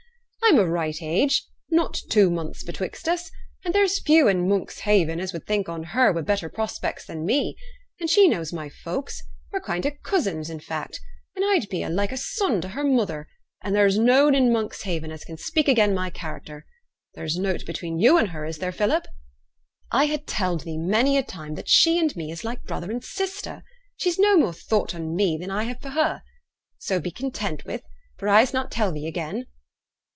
'I'm o' right age, not two months betwixt us; and there's few in Monkshaven as would think on her wi' better prospects than me; and she knows my folks; we're kind o' cousins, in fact; and I'd be like a son to her mother; and there's noane i' Monkshaven as can speak again' my character. There's nought between yo' and her, is there, Philip?' 'I ha' telled thee many a time that she and me is like brother and sister. She's no more thought on me nor I have for her. So be content wi't, for I'se not tell thee again.'